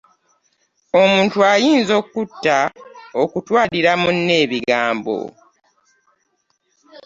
Omutu ayinza okuta okutwalira munne ebigambo .